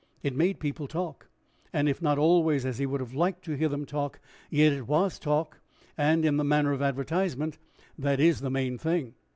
It made people talk, and if not always as he would have liked to hear them talk, yet it was talk, and, in the matter of advertisement, that is the main thing.